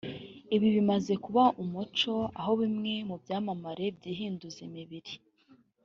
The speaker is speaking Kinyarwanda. Ibi bimaze kuba umuco aho bimwe mu byamamare byihinduza imibiri